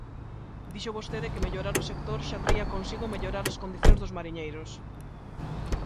Dixo vostede que mellorar o sector xa traía consigo mellorar as condicións dos mariñeiros.